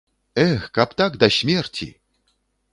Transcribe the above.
Эх, каб так да смерці!